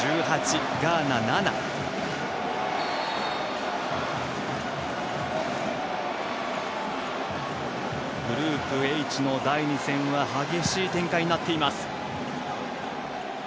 ガーナ、７。グループＨの第２戦は激しい展開になっています。